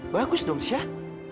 bagus dong syah